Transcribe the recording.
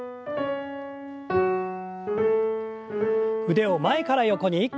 腕を前から横に。